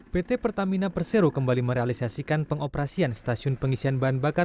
pt pertamina persero kembali merealisasikan pengoperasian stasiun pengisian bahan bakar